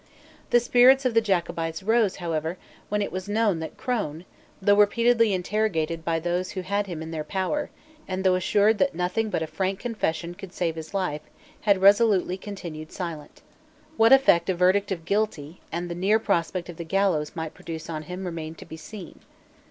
The spirits of the Jacobites rose, however, when it was known that Crone, though repeatedly interrogated by those who had him in their power, and though assured that nothing but a frank confession could save his life, had resolutely continued silent. What effect a verdict of Guilty and the near prospect of the gallows might produce on him remained to be seen.